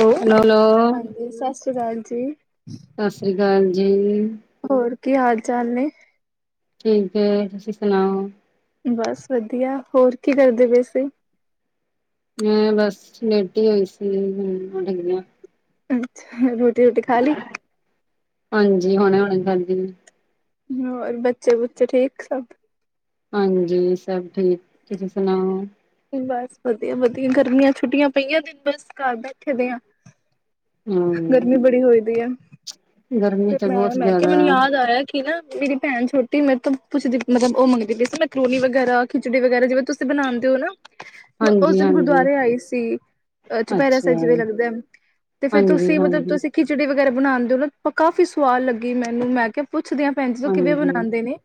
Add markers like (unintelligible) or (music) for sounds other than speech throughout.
ਲੋ hello hello ਹਾਂਜੀ ਸਤਿ ਸ਼੍ਰੀ ਅਕਾਲ ਜੀ। ਸਤਿ ਸ੍ਰੀ ਅਕਾਲ ਜੀ ਹੋਰ ਕੀ ਹਾਲ ਚਾਲ ਨੇ? ਠੀਕ ਏ ਤੁਸੀਂ ਸੁਣਾਓ? ਬਸ ਵਧੀਆ ਹੋਰ ਕੀ ਕਰਦੇ ਪਏ ਸੀਂ? ਮ ਬਸ ਲੇਟੀ ਹੀ ਹੋਈ ਸੀ, ਹੂਨ ਉੱਠਣ ਲਗੀਆਂ। ਅੱਛਾ, ਰੋਟੀ-ਰੋਟੀ ਖਾ ਲਈ? ਹਾਂਜੀ, ਹੋਣੇ-ਹੋਣੇ ਖਾਦੀ। ਹੋਰ ਬੱਚੇ-ਬੁੱਚੇ ਠੀਕ ਸਭ? ਹਾਂਜੀ, ਸਭ ਠੀਕ ਤੁਸੀਂ ਸੁਣਾਓ। ਬਸ ਵਧੀਆ-ਵਧੀਆ ਗਰਮੀਆਂ ਛੁੱਟੀਆਂ ਪਈਆਂ ਦਿਨ ਬਸ ਘਰ ਬੈਠੇ ਦੇ ਆ। ਹਮ ਗਰਮੀ ਬੜੀ ਹੋਈ ਦੀ ਐ। ਗਰਮੀ ਤੇ ਤਾਂ ਬਹੁਤ ਮੈਂ ਮੈਂ ਕਿਹਾ ਜ਼ਿਆਦਾ ਮੈਨੂੰ ਯਾਦ ਆਇਆ। ਨਾ ਮੇਰੀ ਭੈਣ ਛੋਟੀ ਮੈਂਰੇ ਤਾਂ ਪੁੱਛਦੀ ਮਤਲਬ ਉਹ ਮੰਗਦੀ ਪਈ ਸੀ। ਮੈਂਕੱਰੋਨੀ ਵਗੈਰਾ, ਖਿਚੜੀ ਵਗੈਰਾ ਜਿਵੇਂ ਤੁਸੀਂ ਬਣਾਦੇ ਓ ਨਾ ਮੈਂ ਉਸ ਹਾਂਜੀ ਦਿਨ ਹਾਂਜੀ ਗੁਰਦੁਆਰੇ ਆਈ ਸੀ, ਚੁਪਹਿਰਾ ਅੱਛਾ ਸਾਹਿਬ ਜਿਵੇਂ ਲੱਗਦਾ। ਤੇ ਫੇਰ ਹਾਂਜੀ ਤੁਸੀਂ ਮਤਲਬ ਹਾਂਜੀ ਤੁਸੀਂ ਖਿਚੜੀ ਵਗੈਰਾ ਬਣਾਦੇ ਹੋ ਨਾ ਕਾਫ਼ੀ ਸਵਾਦ ਲੱਗੀ ਮੈਨੂੰ ਮੈਂ ਕਿਹਾ ਪੁੱਛਦੀ ਆ ਪੈਣ ਜੀ ਨੂੰ ਕਿਵੇਂ ਹਾਂਜੀ ਬਣਾਦੇ ਨੇ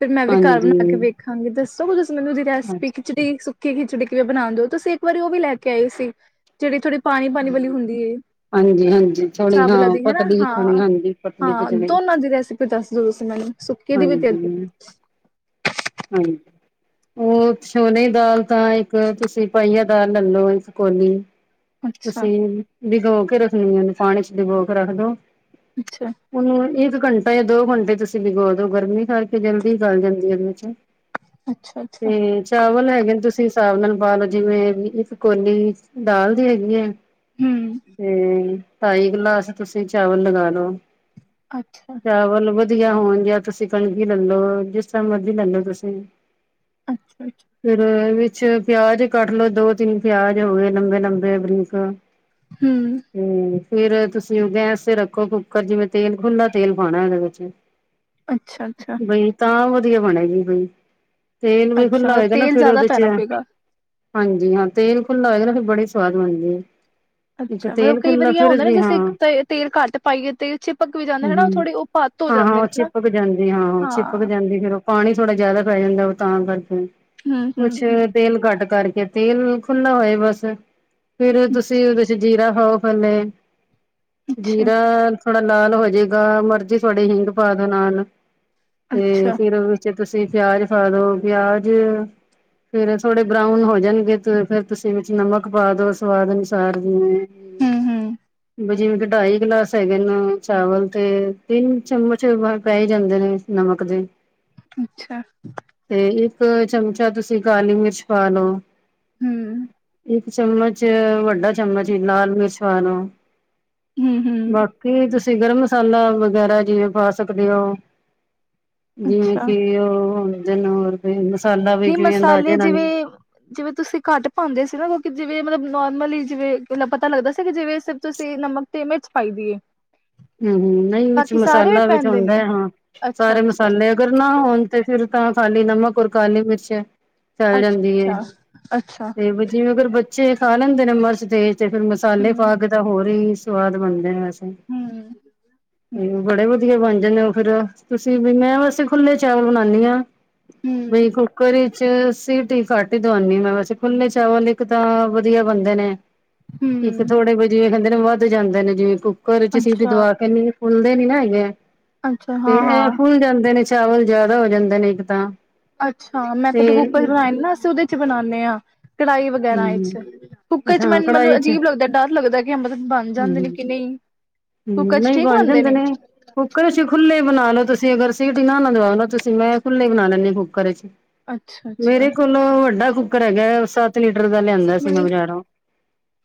ਫਿਰ ਮੈਂ ਵੀ ਘਰ ਬਣਾ ਕੇ ਹਾਂਜੀ ਵੇਖਾਂ ਹਾਂਜੀ, ਦੱਸੋਗੇ ਮੈਨੂੰ ਇਹਦੀ ਰੈਸਿਪੀ ਅੱਛਾ ਖਿਚੜੀ ਸੁੱਕੀ ਖਿਚੜੀ ਕਿਵੇਂ ਬਣਾਉਣ ਦਿਓ, ਤੁਸੀਂ ਇੱਕ ਵਾਰੀ ਉਹ ਵੀ ਲੈ ਕੇ ਆਏ ਸੀ। ਜਿਹੜੀ ਥੋੜੀ ਪਾਣੀ-ਪਾਣੀ ਵਾਲੀ ਹੁੰਦੀ ਐ, ਹਾਂਜੀ ਹਾਂਜੀ ਥੋੜੀ ਹਾਂ ਚਾਵਲਾਂ ਆਲੀ ਹੈਨਾ ਪਤਲੀ ਥੋੜੀ ਹਾਂ, ਹਾਂਜੀ ਪਤਲੀ ਹਾਂ ਖਿਚੜੀ ਦੋਨਾਂ ਦੀ ਰੈਸਿਪੀ ਦੱਸ ਦੋ ਤੁਸੀਂ ਮੈਨੂੰ, ਸੁੱਕੀ ਦੀ ਵੀ ਤੇ ਹਾਂਜੀ ਇਹਦੀ ਹਾਂਜੀ। ਉਹ ਸੋਨੇ ਦੀ ਦਾਲ ਤਾਂ ਇੱਕ ਤੁਸੀਂ ਪਾਈਆ ਦਾਲ ਲੈਲੋ ਇੱਕ ਕੋਲੀ। ਅੱਛਾ ਤੁਸੀਂ ਬੀਗੋ ਕੇ ਰੱਖਣੀ ਏ, ਪਾਣੀ ਚ ਬੀਗੋ ਕੇ ਰੱਖ ਦੋ। ਅੱਛਾ ਉਹਨੂੰ ਇਕ ਘੰਟਾ ਇਹ ਦੋ ਘੰਟੇ ਤੁਸੀਂ ਭਿਗੋ ਦੋ ਗਰਮੀ ਕਰਕੇ ਜਲਦੀ ਗਲ ਜਾਂਦੀ ਹੈ ਉਹਦੇ ਚ। ਅੱਛਾ ਅੱਛਾ ਤੇ ਚਾਵਲ ਹੈਗੇ ਨੇ ਤੁਸੀਂ ਹਿਸਾਬ ਨਾਲ ਪਾ ਲਓ ਜਿਵੇਂ ਇੱਕ ਕੋਲੀ ਦਾਲ ਦੀ ਹੈਗੀ ਐ। ਹਮ ਤੇ ਢਾਈ ਗਲਾਸ ਤੁਸੀਂ ਚਾਵਲ ਲਗਾ ਲਓ ਅੱਛਾ। ਚਾਵਲ ਵਧੀਆ ਹੋਣ ਜਾਂ ਤੁਸੀਂ ਕਣਕ ਲੈਲੋ, ਜਿਸ ਤਰ੍ਹਾਂ ਮਰਜ਼ੀ ਕਰ ਲਓ ਤੁਸੀਂ। ਅੱਛਾ-ਅੱਛਾ। ਫੇਰ ਵਿੱਚ ਪਿਆਜ ਕੱਟ ਲੋੋ, ਦੋ-ਤਿੰਨ ਪਿਆਜ ਹੋ ਗਏ ਲੰਬੇ-ਲੰਬੇ ਬਰੀਕ ਹਾਂ। ਹੂੰ ਤੇ ਫੇਰ ਤੁਸੀਂ ਉਹ ਗੈਸ ਤੇ ਰੱਖੋ ਕੁੱਕਰ ਜਿਵੇਂ ਤੇਲ ਖੂਦਾਂ ਤੇਲ ਪਾਣਾ ਉਹਦੇ ਵਿੱਚ। ਅੱਛਾ ਅੱਛਾ ਬਈ ਤਾਂ ਵਧੀਆ ਬਣੇਗੀ ਬਈ ਤੇਲ ਵੀ ਅੱਛਾ ਖੁੱਲਾ ਮਤਲਬ ਹੋਏਗਾ ਨਾ ਤੇਲ ਫੇਰ ਜ਼ਿਆਦਾ ਉਹਦੇ ਪੈਣਾ ਚ ਪਏਗਾ ਹਾਂਜੀ ਹਾਂ ਤੇਲ ਖੁੱਲਾ ਹੋਏਗਾ ਨਾ ਫਿਰ ਬੜੀ ਸਵਾਦ ਬਣਦੀ ਐ। ਅੱਛਾ, ਮਤਲਬ ਕਈ ਵਾਰੀ ਆ ਹੁੰਦਾ ਨਾ ਜੀ ਹਾਂ ਜੇੇ ਤੇਲ ਘੱਟ ਪਾਈਏ, ਤੇਲ ਛਿਪਕ ਵੀ ਜਾਂਦਾ ਹੈਨਾ ਉਹ ਥੋੜੇ ਓ ਹਾਂ-ਹਾਂ ਉਹ ਚਿਪਕ ਜਾਂਦੀ ਹਾਂ-ਹਾਂ ਉਹ ਚਿਪਕ ਹਾਂ। ਜਾਂਦੀ ਫਿਰ ਉਹ ਪਾਣੀ ਥੋੜਾ ਜਿਆਦਾ ਪੈ ਜਾਂਦਾ, ਉਹ ਤਾਂ ਕਰਦੇ ਹੂੰ ਕੁਛ ਹੂੰ ਤੇਲ ਘੱਟ ਕਰਕੇ, ਤੇਲ ਖੁਲਾੱ ਹੋਏ ਬਸ ਫੇਰ ਤੁਸੀਂ ਉਹਦੇ ਚ ਜੀਰਾ ਪਾਓ ਪਹਿਲੇ, ਅੱਛਾ ਜੀਰਾ ਥੋੜਾ ਲਾਲ ਹੋਜਾਏਗਾ, ਮਰਜ਼ੀ ਤੋਹਾਡੀ ਹਿੰਗ ਪਾ ਦੋ ਨਾਲ ਤੇ ਅੱਛਾ ਫੇਰ ਜੇ ਤੁਸੀਂ ਪਿਆਜ ਪਾਦੋ, ਪਿਆਜ ਫੇਰ ਥੋੜੇ ਬਰਾਊਨ ਹੋ ਜਾਣਗੇ ਤੇ ਫੇਰ ਤੁਸੀਂ ਵਿੱਚ ਨਮਕ ਪਾ ਦੋ ਸਵਾਦ ਅਨੁ ਸਾਰ ਜਿਵੇ, ਹੂੰ ਹੂੰ ਜਿਵੇਂ ਕਿ ਢਾਈ ਗਿਲਾਸ ਹੈਗਨ ਚਾਵਲ ਤੇ ਤਿੰਨ ਚਮਚ ਪੈ ਹੀ ਜਾਂਦੇ ਨੇ ਨਮਕ ਦੇ ਅੱਛਾ ਤੇ ਇੱਕ ਚਮਚਾ ਤੁਸੀਂ ਕਾਲੀ ਮਿਰਚ ਪਾ ਲਓ। ਹੂੰ ਚਮਚ ਵੱਡਾ ਚਮਚ ਹੀ ਲਾਲ ਮਿਰਚ ਪਾ ਲਓ ਹੂੰ ਹੂੰ ਬਾਕ ਕੀ ਤੁਸੀਂ ਗਰਮ ਮਸਾਲਾ ਵਗੈਰਾ, ਜਿਵੇਂ ਪਾ ਸਕਦੇ ਹੋ। ਜਿਵੇਂ ਅੱਛਾ ਕਿ ਉਹ ਹੋਦੇ ਨ ਮਸਾਲਾ ਵੀ ਨਹੀਂ ਜਿਵੇਂ ਮਸਾਲੇ ਅਂਦਾਜੇ ਨਾਲ ਜਿਵੇਂ ਇ ਜਿਵੇਂ ਤੁਸੀਂ ਘੱਟ ਪਾਉਂਦੇ ਸੀ ਨਾ, ਕਿਉਂਕਿ ਜਿਵੇਂ ਮਤਲਬ ਨੋਰਮਲੀ ਜਿਵੇਂ ਪਤਾ ਲੱਗਦਾ ਸੀ ਜਿਵੇਂ ਸ ਤੁਸੀਂ ਨਮਕ ਤੇ ਮਿਰਚ ਪਾਈ ਦੀ ਏ। ਹੂੰ-ਹੂੰ ਨਹੀਂ ਵਿੱਚ ਬਾਕੀ ਸਾਰੇ ਵੀ ਮਸਾਲਾ ਵਿੱਚ ਪੈਂਦੇ ਹੁੰਦਾ ਨੇ ਹਾਂ ਅੱਛਾ ਸਾਰੇ ਅੱਛਾ ਮਸਾਲੇ ਅਗਰ ਨਾ ਹੋਣ ਤੇ ਫੇਰ ਤਾਂ ਖਾਲੀ ਨਮਕ ਔਰ ਕਾਲੀ ਮਿਰਚ ਹੈ। ਚਲ ਜਾਂਦੀ ਹੈ, ਅੱਛਾ ਅੱਛਾ ਤੇ ਜਿਵੇਂ ਅਗਰ ਬ ਬੱਚੇ ਖਾ ਲੈਂਦੇ ਨੇ ਮਿਰਚ ਦੇ ਤੇ ਫਿਰ ਮਸਾਲੇ ਹੂੰ ਪਾਕੇ ਤਾਂ ਹੋਰ ਹੀ ਸਵਾਦ ਬਣਦੇ ਆ ਵੇਸੈ। ਹੂੰ, ਬੜੇ ਵਧੀਆ ਬਣ ਜਾਂਦੇ ਉਹ ਫਿਰ ਤੁਸੀਂ ਵੀ ਮੈਂ ਵੈਸੇ ਖੁੱਲੇ ਚਾਵਲ ਬਣਾਨੀ ਆ। ਹੂੰ ਬਈ ਕੁੱਕਰ ਵਿਚ ਸੀਟੀ ਘਟ ਹੀ ਦਵਾਨੀ ਹਾਂ ਮੈਂ। ਵੈਸੇ ਖੁੱਲੇ ਚਾਵਲ ਹੀ ਅੇਕ ਤਾਂ ਵਧੀਆ ਬੰਦੇ ਨੇ। ਇੱਕ ਹੂੰ ਥੋੜੇ ਬਇ ਜਿਵੇਂ ਕਹਿੰਦੇ ਨੇ ਵੱਧ ਜਾਂਦੇ ਨੇ, ਜਿਵੇਂ ਕੁੱਕਰ ਚ ਸੀਟੀ ਅੱਛਾ ਦਵਾ ਕੇ ਨੀ ਦੇਖ ਫੁੱਲਦੇ ਨੀ ਨਾ ਹੈਗੇ ਆ, ਅੱਛਾ ਤੇ ਹਾਂ ਇਹ ਹਾਂ ਫੁੱਲ ਜਾਂਦੇ ਨੇ ਚਾਵਲ ਜਿਆਦਾ ਹੋ ਜਾਂਦੇ ਨੇ, ਇੱਕ ਤਾਂ। ਅੱਛਾ ਮੈਂ ਕਦੇ ਕੁੱਕਰ ਚ ਤੇ ਬਣਾਏ ਨਹੀਂ ਨਾ, ਅਸੀਂ ਉਹਦੇ ਚ ਬਣਾਉਦੇ ਹਾਂ ਕੜਾਹੀ ਵਗ਼ੈਰਾ ਹੂੰ ਵਿੱਚ। ਕੁੱਕਰ ਚ ਮੈ ਅੱਛਾ ਮੈਨੂੰ ਮਤਲਵ ਕੜਾਹੀ ਚ ਅਜੀਬ ਲੱਗਦਾ, ਡਰ ਲੱਗਦਾ ਕਿ ਮਤਲਬ ਬਣ ਜਾਂਦੇ ਨੇ ਕਿ ਨਹੀਂ। ਮ ਕੁੱਕਰ ਚ ਨਹੀਂ ਠੀਕ ਬਣ ਬਣਦੇ ਜਾਂਦੇ ਨੇ, ਕੁੂੱਕਰ ਚ ਖੁੱਲੇ ਬਣਾ ਲ ਲੋ ਤੁਸੀਂ ਅਗਰ ਸਿਟੀ ਨਾ ਦਵਾਣਾ ਤੁਸੀਂ। ਮੈਂ ਖੁੱਲੇ ਬਣਾ ਲੈਂਨੀ ਹਾ ਕੁੱਕਰ ਚ, ਅੱਛਾ ਅੱਛਾ ਮੇਰੇ ਕੋਲ ਵੱਡਾ ਕੁੱਕਰ ਹੈਗਾ। ਉਸ ਸਾ ਤ ਲੀਟਰ ਦਾ ਲਿਆਂਦਾ ਸੀ ਮੈਂ ਬਜ਼ਾਰੋਂ,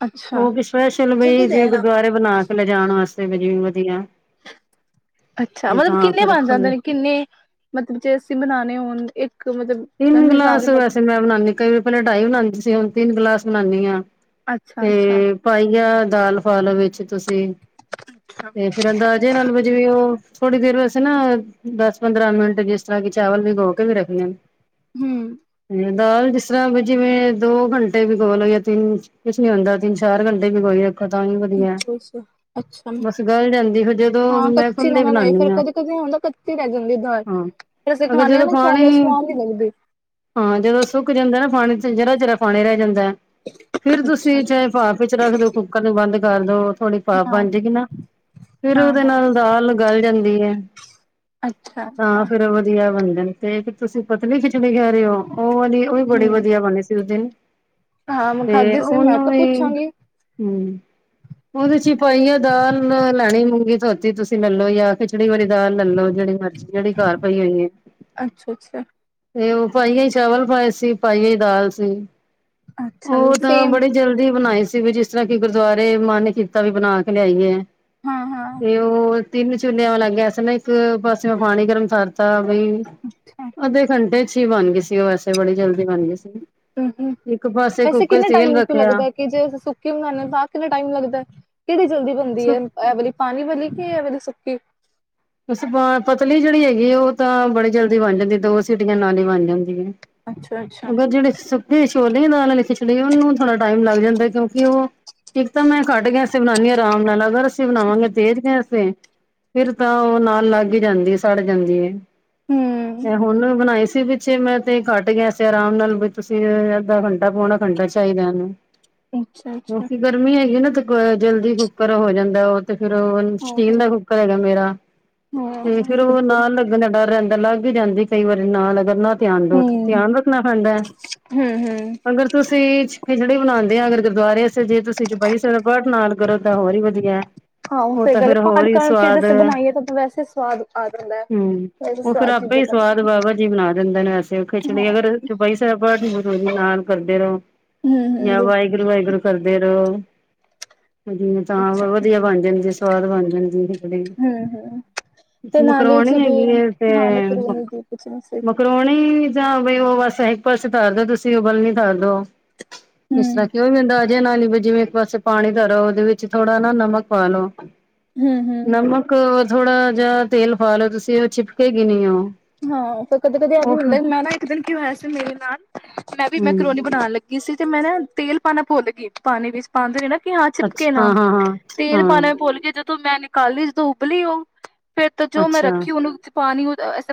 ਅੱਛਾ ਉਹ ਸਪੈਸ਼ਲ ਵੀ ਜਿਵੇਂ ਗੁਰਦੁਆਰੇ ਬਣਾ ਕੇ ਲਿਜਾਣ ਵਾਸਤੇ ਵੀ ਜਿਵੇਂ ਵਧੀਆ। ਅੱਛਾ ਮਤਲਬ ਤਾਂ ਕਿੰਨੇ ਫਿਰ ਬਣ ਜਾਂਦੇ ਖੁੱਲੇ ਨੇ, ਕਿੰਨੇ ਮਤਲਬ ਜੇ ਅਸੀਂ ਬਨਾਉਣੇ ਹੋਣ, ਇੱਕ ਮਤਲਬ ਤਿੰਨ ਮੈਨੂੰ ਹਿਸਾਬ ਨੀ ਗਿਲਾਸ ਵੈਸੇ ਪਤਾ ਮੈਂ ਬਣਾਉਦੀ ਕਈ ਪਹਿਲਾਂ ਢਾਈ ਬਣਾਉਂਦੀ ਸੀ ਹੁਣ ਤਿੰਨ ਗਿਲਾਸ ਬਣਾਉਦੀ ਹਾਂ ਅੱਛਾ ਅੱਛਾ। ਤੇ ਪਾਈਆ ਦਾਲ ਪਾਲੋ ਵਿੱਚ ਤੁਸੀਂ, ਤੇ ਫੇਰ ਅੰਦਾਜ਼ੇ ਨਾਲ ਜਿਵੇਂ ਉਹ ਥੋੜ੍ਹੀ ਦੇਰ ਵੈਸੇ ਨਾ ਦਸ ਪੰਦਰਾਂ ਮਿੰਟ ਜਿਸ ਤਰ੍ਹਾਂ ਕਿ ਚਾਵਲ ਬੀਗੋ ਕੇ ਵੀ ਰਖਦੇ। ਹੂੰ- ਦਾਲ ਜਿਸ ਤਰਾਂ ਵੀ ਜਿਵੇਂ ਦੋ ਘੰਟੇ ਭਿਗੋਲੋ ਯਾ ਤਿੰਨ ਕੁਛ ਨੀ ਹੋਂਦਾ ਤਿੰਨ, ਚਾਰ ਘੰਟੇ ਭਿਗੋਏ ਹੈਂ। ਤਾਂ ਹੀ ਵਧੀਆ। ਅੱਛਾ ਅੱਛਾ ਅੱਛਾ ਬਸ ਗੱਲ ਜਾਂਦੀ ਸੀ ਜਦੋਂ ਹਾਂ ਮੈਂ ਕੱਚੀ ਨਾ ਖੁਲੇ ਨਾ ਰਹੇ ਬਣਾਉਦੀ ਫੇਰ ਹਾਂ ਕਦੇ ਕਦੇ ਹੁੰਦਾ ਕੱਚੀ ਰਹਿ ਜਾਂਦੀ ਦਾਲ, ਹਾਂ ਫੇਰ ਅਸੀਂ ਅਗਰ ਖਾਣੇ ਹਾਂ ਜਦੋਂ ਨਾ ਖਾਨ ਪਾਣੀ ਚ ਸਵਾਦ ਨੀ ਲੱਗਦੀ। ਹਾਂ ਜਦੋਂ ਸੁੱਕ ਜਾਂਦਾ ਨਾ ਪਾਣੀ, ਜਰਾ-ਜਰਾ ਪਾਣੀ ਰਹਿ ਜਾਂਦਾ। ਫੇਰ ਅੱਛਾ ਤੁਸੀਂ ਅੱਛਾ। ਚਾਹੇ ਪਾਫ਼ ਵਿੱਚ ਰੱਖ ਦਿਓ, ਕੁੱਕਰ ਨੂੰ ਬੰਦ ਕਰ ਦੋ ਥੋੜੀ ਪਾਫ ਹਾਂ ਬਣ ਜਾਏਗੀ ਨਾ। ਫੇਰ ਉਹਦੇ ਹਾਂ ਹਾਂ ਨਾਲ ਦਾਲ ਉ ਗਲ ਜਾਂਦੀ ਹੈ। ਅੱਛਾ। ਅੱਛਾ ਹਾਂ ਫੇਰ ਵਧੀਆ ਬਣ ਜਾਂਦੀ। ਤੇ ਤੁਸੀਂ ਪਤਲੀ ਖਿੱਚੜੀ ਕਹਿ ਰਹੇ ਹੋ। ਉਹ ਵਾਲੀ ਉਹ ਵੀ ਬੜੀ ਹੂੰ ਵਧੀਆ ਬਣੀ ਸੀ। ਉਸ ਦਿਨ ਹਾਂ ਮੈਂ ਤੇ ਖਾਧੀ ਸੀ ਮੈਂ ਉਹਨੂੰ ਕਿਹਾ ਵੀ, ਪੁੱਛਾਂਗੀ। ਹੂੰ। ਉਹਦੇ ਚ ਹੀ ਪਾਈਆ ਦਾਲ ਲੈਣੀ ਮੂੰਗੀ ਧੋਤੀ ਤੁਸੀਂ ਲੈ ਲੋ ਜਾਂ ਖਿਚੜੀ ਵਾਲੀ ਦਾਲ ਲੈ ਲੋ ਜਿਹੜੀ ਮਰਜ਼ੀ। ਜਿਹੜੀ ਘਰ ਪਈ ਹੋਈ ਏ। ਅੱਛਾ ਅੱਛਾ। ਤੇ ਉਹ ਪਾਈਆਂ ਹੀ ਚਾਵਲ ਪਾਏ ਸੀ, ਪਾਈਆਂ ਹੀ ਦਾਲ ਸੀ, ਅੱਛਾ ਉਹ ਤਾਂ ਸੇਮ ਬੜੇ ਜਲਦੀ ਬਣਾਈ ਸੀ, ਵੀ ਜਿਸ ਤਰਾਂ ਕਿ ਗੁਰਦੁਆਰੇ ਮਨ ਕੀਤਾ ਵੀ ਬਣਾ ਕੇ ਲਿਆਈਏ। ਹਾਂ ਹਾਂ ਤੇ ਉਹ ਤਿੰਨ ਚੁਨਿਆਂ ਵਾਲਾ ਗੈਸ ਦੇ, ਲੱਗ ਇੱਕ ਪਾਸੇ ਮੈਂ ਪਾਣੀ ਗਰਮ ਥਰਤਾ ਬਈ, ਅੱਛਾ (unintelligible) ਅੱਧੇ ਘੰਟੇ ਚ ਹੀ ਬਣ ਗਈ ਸੀਗੀ। ਵੈਸੇ ਬੜੀ ਜਲਦੀ ਬਣ ਗਈ ਸੀਗੀ। ਹੂੰ ਹੂੰ ਇੱਕ ਪਾਸੇ ਵੈਸੇ ਕੁੱਕਰ ਕਿੰਨੇ ਤੇੇਲ ਟਾਈਮ ਤੋਂ ਰੱਖਿਆ, ਲੱਗਦਾ ਕਿ ਜੇ ਅਸੀਂ ਸੁੱਕੇ ਬਨਾਦੇ ਤਾਂਹ ਕਿੰਨਾ ਟਾਈਮ ਲੱਗਦਾ, ਕਿਹੜੀ ਜਲਦੀ ਬਣਦੀ ਹੈ। ਇਹ ਵਾਲੀ ਪਾਣੀ ਵਾਲਲੀ, ਕਿ ਇਹ ਵਾਲੀ ਸੁੱਕੀ। ਬ ਪਤਲੀ ਜਿਹੜੀ ਹੈਗੀ। ਉਹ ਤਾਂ ਬੜੀ ਜਲਦੀ ਬਣ ਜਾਂਦੀ ਏ, ਦੋ ਸੀਟੀਆਂ ਨਾਲ ਹੀ ਬਣ ਜਾਂਦੀ ਹੈ। ਅੱਛਾ ਅੱਛਾ। ਅਗਰ ਜਿਹੜੇ ਸੁੱਕੇ ਛੋਲ ਦਾਲ ਖਿਚੜ ਉਹਨੂੰ ਥੋੜਾ ਟਾਈਮ ਲੱਗ ਜਾਂਦਾ। ਕਿਉਂਕਿ ਉਹ, ਇੱਕ ਤਾਂ ਮੈਂ ਕੱਟ ਕੇ ਅਸੀੇ ਬਣਾਉਦੀ ਹਾਂ ਆਰਾਮ ਨਾਲ, ਅਗਰ ਅਸੀਂ ਬਣਾਵਾਂਗੇ ਤੇਜ਼ ਗੈਸ ਤੇ ਫਿਰ ਤਾਂ ਉਹ ਨਾਲ ਲੱਗ ਜਾਂਦੀ, ਸੜ ਜਾਂਦੀ ਏ, ਹੂੰ ਹੁਣ ਬਣਾਈ ਸੀ ਵੀ ਅੱਛੇ ਮੈਂ ਤੇ ਕੱਟ ਗਿਆ ਸੀ ਆਰਾਮ ਨਾਲ ਵੀ ਤੁਸੀਂ ਅਧਾ ਘੰਟਾ, ਪਾਉਣਾ ਘੰਟਾ ਚਾਹੀਦਾ ਇਹਨੂੰ ਅੱਛਾ, ਅੱਛਾ ਕਿਉਂਕਿ ਗਰਮੀ ਹੈਗੀ ਨਾ ਤੇ ਜਲਦੀ ਕੁੱਕਰ ਹੋ ਜਾਂਦਾ, ਉਹ ਤੇ ਫਿਰ ਸਟੀਲ ਆਹੋ ਦਾ ਕੁੱਕਰ ਹੈਗਾ ਮੇਰਾ ਹਾਂ ਤੇ ਫੇਰ ਉਹ ਬਿਲਕੁਲ ਨਾਲ ਲੱਗਣ ਦਾ ਡਰ ਰਹਿੰਦਾ ਲੱਗ ਹੀ ਜਾਂਦੀ ਕਈ ਵਾਰੀ ਨਾ ਲਗ ਨਾ ਧਿਆਨ ਦ ਹੂੰ ਧਿਆਨ ਰੱਖਣਾ ਪੈਂਦਾ ਐਰ ਹੂੰ ਹੂੰ ਅਗਰ ਤੁਸੀਂ ਖਿਚੜੀ ਬਣਾਂਦੇ ਆ ਅਗਰ ਦੁਬਾਰੇ ਜੇ ਤੁਸੀਂ ਚੁਪੈਈ ਸਾਹਿਬ ਦਾ ਪਾਠ ਨਾਲ ਕਰੋ, ਤਾਂ ਹੋਰ ਹੀ ਵਧੀਆ ਉਹ ਤਾਂ, ਫੇਰ ਹੋਰ ਹੀ ਸਵਾਦ ਇਹ ਤਾਂ ਵੈਸੇ ਸਵਾਦ ਆ ਜਾਂਦਾ ਹਮ, ਵੈਸੇ ਉਹ ਫੇਰ ਸਵਾਦ ਆਪੇ ਚੀਜ਼ਾਂ ਹੀ ਸਵਾਦ ਬਣਦੀਆਂ ਨੇ ਬਾਬਾ ਜੀ ਬਣਾ ਦਿੰਦੇ ਨੇ ਵੈਸੇ ਹਾਂ ਖਿਚੜੀ ਅਗਰ ਚੌਪਈ ਸਾਹਿਬ ਪਾਠ ਨਾਲ ਕਰਦੇ ਰਓ ਹਮ ਹਮ ਜਾਂ ਬਿਲ ਵਾਏਗੁਰੂ-ਵਾਏਗੁਰੂ ਕਰਦੇ ਰਓ। ਹ ਅੱਛਾ ਤਾਂ ਵਧੀਆ ਬਣ ਜਾਣਗੇ ਜ ਸਵਾਦ ਬਣ ਜਾਣ ਜ ਖਿਚੜੀ ਹਮ, ਹਮ ਤੇ ਨਾਲੇ ਮਕਰੋਨੀ ਜਿਵੇਂ ਹੈਗੀ ਤੇ। ਹਾਂ ਮੈਕਰੋਨੀ ਦੀ ਪੁੱਛਣੀ ਸੀ ਮ (unintelligible) ਕਰੋਣੀ ਜਾਂ ਬਈ ਉਹ ਬਸ ਇੱਕ ਪਾਸੇ ਧਥਰ ਦਿੰਦੀ ਤੁਸੀਂ ਉਗਲ ਨ ਧਾਰ ਦਿਨੋਂ ਇਸ ਤਰ੍ਹਾਂ ਹਮ ਕਿ ਉਹ ਅੰਦਾਜ਼ੇ ਨਾਲ ਜਿਵੇਂ ਇੱਕ ਪਾਸੇ ਪਾਣੀ ਧਰੋ, ਉਹਦੇ ਵਿੱਚ ਥੋੜਾ ਨਾ ਨਮਕ ਪਾ ਲਓ ਹਮ ਹਮ ਨਮਕ, ਥੋੜਾ ਜਿਹਾ ਤੇਲ ਪਾ ਲੋ, ਤੁਸੀਂ ਉਹ ਚਿਪਕੇਗੀ ਨੀ ਉਹ ਹਾਂ, ਫਿਰ ਕਦੇ- ਕਦੇ ਆ ਵੀ ਉਹ ਹੁੰਦੇ, ਮੈਂ ਨਾ ਇੱਕ ਦਿਨ ਕੀ ਹੋਇਆ ਸੀ ਮੇਰੇ ਨਾਲ, ਮੈਂ ਵੀ ਹਮ ਮੈਕਰੋਨੀ ਬਣਾਉਣ ਲੱਗੀ। ਇਸੇ 'ਚ ਮੈਂ ਨਾ ਤੇਲ ਪਾਉਣਾ ਭੁਲ ਗਈ, ਪਾਣੀ ਵਿੱਚ ਪਾਉਂਦੇ ਨਾ ਕਿ ਹਾਂ ਚਿਪਕੇ ਅੱਛਾ ਨਾ, ਹਾਂ ਹਾਂ ਹਾਂ ਤੇਲ ਪਾਉਣਾ ਹਾਂ ਭੁਲ ਕੇ, ਜਦੋਂ ਮੈਂ ਕੀ ਜਦ ਉਬਲੀ ਉਹ, ਫਿਰ ਤਾਂ ਜੋ ਮੈਂ ਅੱਛਾ ਰੱਖੀ ਉਹਨੂੰ ਪਾਣੀ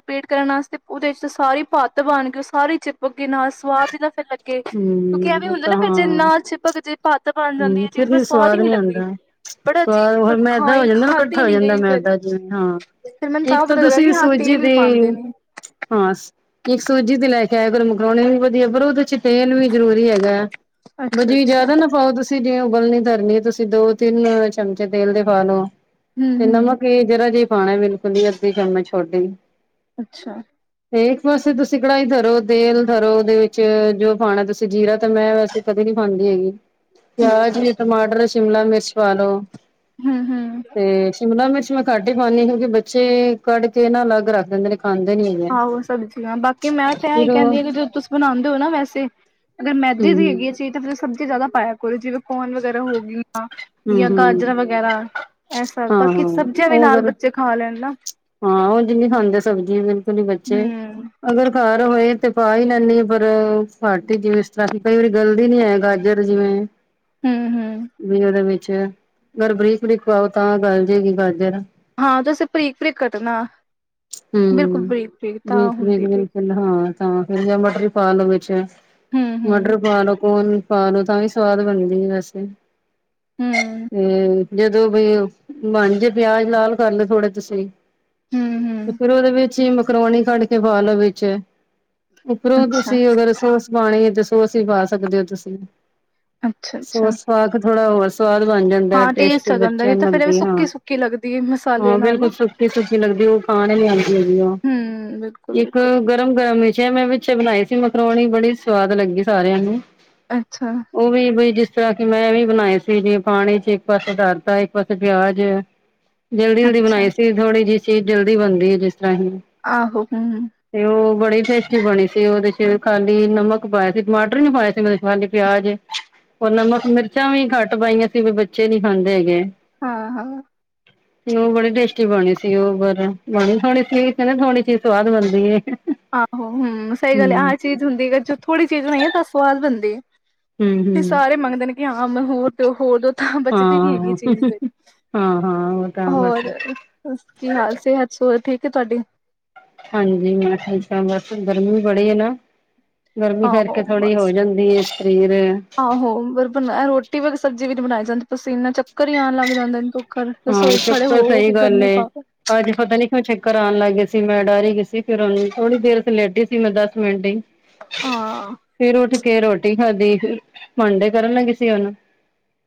ਪੇਟ ਕਰਨ ਵਾਸਤੇ ਉਹਦੇ 'ਚ ਸਾਰੀ ਪਾਤਰ ਬਣ ਗ ਉਹ ਸਾਰੀ ਚਿਪਕ ਨਾਲ ਸਵਾਦ ਤਾਂ ਫਿਰ ਲੱਗੇ ਕਿਉਂਕਿ ਹਮ ਐਵੇਂ ਉਹ ਹੁੰਦਾ ਤਾਂ ਨਾ, ਜੇ ਹਾਂ ਨਾ ਚਿਪਕ ਜੇ ਭਤ ਬਣ ਜਾਂਦੀ ਇਹ ਚੀਜ਼ ਪਰ ਸਵਾਦ ਹੀ ਨੀ ਲੱਗਦੀ, ਬੜਾ ਸਵਾਦ ਅਜੀਬ ਹੋਰ ਮੈਦਾ ਹੋ ਖਾਈ ਜਾਂਦਾ ਨਾ ਖਾਧੀ ਇਕੱਠਾ ਹੋ ਨੀ ਜਾਂਦਾ ਗਈ ਫਿਰ ਮੈਦਾ ਹਾਂ, ਫਿਰ ਮੈਨੂੰ ਇੱਕ ਤਾਂ ਪਤਾ ਲੱਗਾ ਕਿ ਤੁਸੀਂ ਹਾਂ ਸੂਜੀ ਤੇਲ ਵੀ ਦੇ ਪਾਉਂਦੇ ਨੇ ਹਾਂ, ਇੱਕ ਸੂਜੀ ਦੇ ਲੈ ਕੇ ਆਇਆ ਕਰ ਮੈਕਰੋਨੀ ਵੀ ਵਧੀਆ, ਪਰ ਉਹਦੇ 'ਚ ਤੇਲ ਵੀ ਜਰੂਰੀ ਹੈਗਾ, ਅੱਛਾ ਬਜੀ ਅੱਛਾ ਜਿਆਦਾ ਨਾ ਪਾਓ। ਤੁਸੀਂ ਜਿਵੇਂ ਉਬਲਣੀ ਧਰਨੀ ਹੈ, ਤੁਸੀਂ ਦੋ ਤਿੰਨ ਚਮਚੇ ਤੇਲ ਦੇ ਪਾ ਲਓ, ਹਮ ਤੇ ਹਮ ਨਮਕ। ਜੀ ਜਰਾ ਜੇ ਪਾਉਣਾ, ਬਿਲਕੁਲ ਅੱਧੀ ਚਮਚ ਛੋਟੀ। ਅੱਛਾ। ਤੇ ਇੱਕ ਪਾਸੇ ਤੁਸੀਂ ਕੜਾਹੀ ਧਰੋ, ਤੇਲ ਧਰੋ ਉਹਦੇ ਵਿੱਚ ਜੋ ਪਾਉਣਾ ਤੁਸੀਂ ਜੀਰਾ ਤੇ ਮੈਂ ਵੈਸੇ ਕਦੇ ਨੀ ਪਾਉਂਦੀ ਹੈਗੀ ਪਿਆਜ ਅੱਛਾ ਵੀ, ਟਮਾਟਰ, ਸ਼ਿਮਲਾ ਮਿਰਚ ਪਾ ਲੋ, ਹਮ ਹਮ ਤੇ ਸ਼ਿਮਲਾ ਮਿਰਚ ਮ। ਘੱਟ ਹੀ ਪਾਉਂਦੀ, ਕਿਉਂਕਿ ਬੱਚੇ ਕੱਢ ਕੇ ਨਾ ਅਲੱਗ ਰੱਖ ਦਿੰਦੇ ਨੇ ਖਾਂਦੇ ਨੀ ਹੈਗੇ ਆਹੋ ਸਬਜ਼ੀਆਂ, ਬਾਕੀ ਮੈਂ ਤਾਂ ਫਿਰ ਇਹੀ ਕਹਿੰਦੀ, ਉਹ ਕਿ ਜਦੋਂ ਤੁਸੀਂ ਬਣਾਉਂਦੇ ਹੋ ਨਾ ਵੈਸੇ, ਅਗਰ ਮੈਦੇ ਦੀ ਹੈਗੀ ਹੂੰ ਹੈ। ਚ ਤਾਂ ਸਬਜ਼ੀਆਂ ਜ਼ਿਆਦਾ ਪਾਇਆ ਕਰੋ, ਜਿਵੇਂ ਕੋਨ ਵਗੈਰਾ ਹੋ ਗਈ ਹੂੰ ਜਾਂ ਗਾਜਰਾਂ ਹੂੰ ਵਗੈਰਾ, ਇਹ ਸਭ ਹਾਂ ਤਾਂਕਿ ਹਾਂ ਸਬਜ਼ੀਆਂ ਵੀ ਉਹ ਨਾਲ ਅਗਰ ਬੱਚੇ ਖਾ ਲੈਣ ਨਾ। ਹਾਂ, ਉਂਝ ਨਹੀ ਖਾਂਦੇ ਸਬਜ਼ੀਆਂ ਬਿਲਕੁਲ ਹੀ ਬਚੇ ਹਮ ਅਗਰ ਘਰ ਹੋਏ ਤੇ ਪਾ ਹੀ ਲੈਂਦੀ ਆ ਪਰ, ਪਾਰਟੀ ਜਿਵੇਂ ਇਸ ਤਰ੍ਹਾਂ ਕਿ ਕਈ ਵਾਰੀ ਗਲਦੀ ਨਹੀਂ ਹੈ ਗਾਜਰ ਹੋਰ ਜਿਵੇਂ ਹਮ ਹਮ ਵੀ ਉਹਦੇ ਵਿੱਚ ਅਗਰ ਬਰੀਕ ਜਿਹੀ ਪਾਓ ਤਾਂ ਗੱਲ ਜਾਏਗੀ ਗਾਜਰ ਹਾਂ ਤੁਸੀ ਬਰੀਕ, ਬਰੀਕ ਕੱਟਣਾ ਬਿਲਕੁਲ ਹਮ, ਬਰੀਕ ਬਰੀਕ ਤਾਂ ਬਰੀਕ-ਬਰੀਕ ਹੁੰਦੀ ਠੀਕ ਬਿਲਕੁਲ ਹਾਂ ਤਾਂ ਫਿਰ ਮਟਰ ਪਾ ਲਓ ਵਿੱਚ ਹਮ ਹਮ ਮਟਰ ਪਾ ਲਓ ਕੋਨ। ਪਾ ਲਓ ਤਾਂ ਵੀ ਸਵਾਦ ਬਣਦੀ ਹੈ ਵੈਸੇ ਹਮ ਤੇ। ਜਦੋਂ ਵੀ ਬਣਜੇ ਪਿਆਜ ਲਾਲ ਕਰ ਲਓ, ਥੋੜਾ ਤੁਸੀਂ। ਹਮ, ਹਮ ਤੇ ਫੇਰ ਉਹਦੇ ਵਿੱਚ ਹੀ ਮੈਕਰੋਨੀ ਕੱਢ ਕੇ ਪਾ ਲੋ ਵਿੱਚ, ਉੱਪਰੋਂ ਅੱਛਾ ਤੁਸੀਂ ਅਗਰ ਸੋਸ ਪਾਉਣੀ ਤੇ ਸੋਸ ਹੀ ਪਾ ਸਕਦੇ ਹੋ ਤੁਸੀਂ, ਅੱਛਾ ਅੱਛਾ ਸੋਸ ਪਾ ਕੇ ਥੋੜਾ ਹੋਰ ਸਵਾਦ ਬਣ ਜਾਂਦਾ, ਹਾਂ ਟੇਸਟੀ ਟੇਸਟ ਆ ਜਾਂਦਾ ਬੱਚਿਆਂ ਨਹੀਂ ਨੂੰ ਤਾਂ ਫਿਰ ਐਵੇਂ ਲੱਗਦੀ ਹਾਂ, ਸੁੱਕੀ ਸੁੱਕੀ ਲੱਗਦੀ ਹੈ ਮਸਾਲੇ ਹਾਂ ਨਾਲ ਨਾ ਬਿਲਕੁਲ ਸਬਜ਼ੀ ਲੱਗਦੀ, ਉਹ ਖਾਣ ਲਈ ਆਂਦੀ ਹੈਗੀ ਆ, ਹਮ ਬਿਲਕੁਲ ਇੱਕ ਬਿਲਕੁਲ ਗਰਮ-ਗਰਮ ਮਸ਼ ਮੈਂ ਵਿੱਚੇ ਬਣਾਈ ਸੀ ਮਕਰੋਣੀ, ਬੜੀ ਸਵਾਦ ਲੱਗੀ ਸਾਰਿਆਂ ਨੂੰ। ਅੱਛਾ। ਉਹ ਵੀ ਬਈ ਜਿਸ ਤਰ੍ਹਾਂ ਕਿ ਮੈਂ ਵੀ ਬਣਾਏ ਸੀ, ਜੇ ਪਾਣੀ ਚ ਇੱਕ ਪਾਸੇ ਤਰਦਾ, ਇੱਕ ਪਾਸੇ ਪਿਆਜ। (unintelligible) ਜਲਦੀ-ਜਲਦੀ ਅੱਛਾ ਬਣਾਈ ਸੀ ਥੋੜ੍ਹੀ ਜੀ ਚੀਜ਼, ਜਲਦੀ ਬਣਦੀ ਐ ਜਿਸ ਤਰ੍ਹਾਂ ਹੀ। ਆਹੋ ਹੂੰ ਤੇ ਉਹ ਬੜੀ ਟੇਸਟੀ ਬਣੀ ਸੀ, ਉਹਦੇ ਚ ਖਾਲੀ ਨਮਕ ਪਾਇਆ ਸੀ, ਟਮਾਟਰ ਨੀ ਪਾਇਆ ਸੀ ਮੈਂ। ਵੰਨ ਪਿਆਜ ਉਹ ਨਮਕ, ਮਿਰਚਾਂ ਵੀ ਘੱਟ ਪਾਈਆਂ ਸੀ, ਵੀ ਬੱਚੇ ਨੀ ਖਾਂਦੇ ਹੈਗੇ। ਹਾਂ-ਹਾਂ। ਤੇ ਓਹ ਬੜੇ ਟੇਸ ਬਣੀ ਸੀ ਉਹ ਪਰ ਬਣੀ ਥੋੜੀ ਸੀ, ਕਿ ਨਾ ਥੋੜੀ ਚੀਜ਼ ਸਵਾਦ ਬਣਦੀ ਏ। ਆਹੋ ਹੂੰ ਸਹੀ ਗੱਲ ਐ, ਹੂੰ, ਆਹ ਚੀਜ਼ ਹੁੰਦੀ ਐ ਅਗਰ ਥੋੜ੍ਹੀ ਚੀਜ਼ ਬਣਾਈ ਐ, ਤਾਂ ਸਵਾਦ ਬਣਦੀ ਐ। ਹੂੰ, ਤੇ ਹੂੰ ਸਾਰੇ ਮੰਗਦੇ ਨੇ ਕਿ ਹਾਂ ਮੈਨੂੰ ਹੋਰ ਦੋ-ਹੋਰ ਦੋ, ਤਾਂ ਬਚਦੀ ਨੀ ਹੈਗੀ ਹਾਂ। ਚੀਜ਼ ਤੇ। ਹਾਂ, ਹਾਂ ਉਹ ਤਾਂ ਬਸ ਹੋਰ ਕੀ ਹਾਲ, ਅੱਜ ਸਿਹਤ ਠੀਕ ਐ ਥੋਡੀ। ਹਾਂਜੀ, ਮੈਂ ਠੀਕ ਹਾਂ, ਬਸ ਗਰਮੀ ਬੜੀ ਐ ਨਾ। ਗਰਮੀ ਕਰਕੇ ਆਹੋ ਥੋੜ੍ਹੀ ਹੋ ਬਸ ਜਾਂਦੀ ਐ ਸਰੀਰ ਆਹੋ ਫੇਰ ਬਣਾਇਆ ਰੋ ਕਈ ਵਾਰ ਸਬਜ਼ੀ ਵੀ ਨੀ ਬਣਾਈ ਜਾਂਦੀ, ਪਸੀਨਾ ਚੱਕਰ ਹੀ ਆਣ ਲੱਗ ਜਾਂਦੇ ਨੇ, ਤੂੰ ਕਰ ਹਾਂ ਰਸੋਈ ਚ ਖੜੇ ਚੁੱਕੋ ਹੋ ਹੋ ਸਹੀ ਗੇ ਗੱਲ ਗਰਮੀ ਏ। ਘੱਟ ਐ। ਅੱਜ ਪਤਾ ਨੀ ਕਿਉਂ ਚੱਕਰ ਆਉਣ ਲਾਗੇ ਸੀ, ਮੈਂ ਡਰ ਗਈ ਸੀ, ਫਿਰ ਉਹਨੂੰ ਥੋੜੀ ਦੇਰ ਲੇਟੀ ਸੀ ਮੈਂ ਦਸ ਮਿੰਟ ਹੀ। ਹਾਂ। ਫਿਰ ਉੱਠ ਕੇ ਰੋਟੀ ਖਾਧੀ, ਭਾਂਡੇ ਧਰਨ ਲੱਗੀ ਸੀ ਹੁਣ।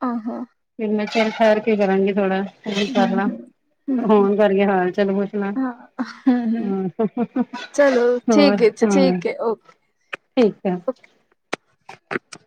ਆਹਾ। ਫਿਰ ਮੈਂ ਚੱਲ ਠਹਿਰ ਕੇ ਕਰਾਂਗੀ ਥੋੜਾ, ਹੋਰ ਕਰਲਾ। ਹੂੰ-ਹੂੰ ਹੂੰ ਫੋਨ ਕਰਕੇ ਹਾਲ ਚਾਲ ਪੁੱਛਣਾ, ਹਾਂ ਹੂੰ-ਹੂੰ ਹੂੰ ਚਲੋ ਹੋਰ ਠੀਕ ਹੈ ਜੀ ਹਾਂ, ਠੀਕ ਹੈ ਓਕੇ ਠੀਕ ਐ। (inaudible)